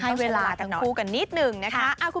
ให้เวลากันคู่กันนิดหนึ่งนะคะ